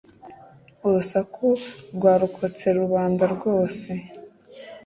urusaku rwarokotse rubanda rwose